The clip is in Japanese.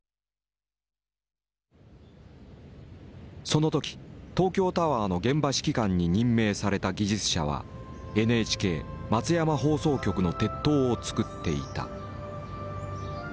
その時東京タワーの現場指揮官に任命された技術者はＮＨＫ松山放送局の鉄塔を造っていた。